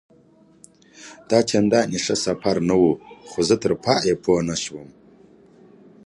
دا چنداني ښه سفر نه وو، خو زه تر پایه پوه نه شوم.